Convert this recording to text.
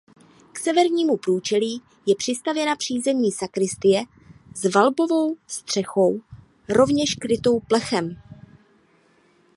K severnímu průčelí je přistavěna přízemní sakristie s valbovou střechou rovněž krytou plechem.